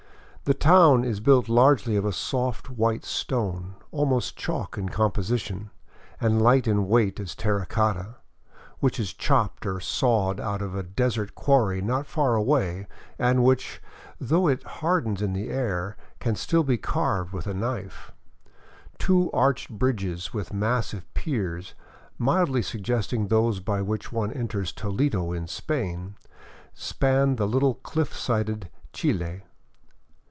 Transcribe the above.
The town is built largely of a soft white stone, almost chalk in com position, and light in weight as terra cotta, which is chopped or sawed out of a desert quarry not far away and which, though it hardens in the air, can still be carved with a knife. Two arched bridges with massive piers, mildly suggesting those by which one enters Toledo in Spain, span the little cliff sided Chili.